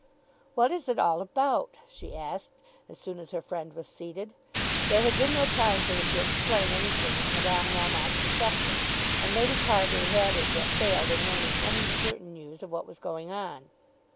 "What is it all about?" she asked, as soon as her friend was seated. There had been no time for him to explain anything at Madame Melmotte's reception, and Lady Carbury had as yet failed in learning any certain news of what was going on.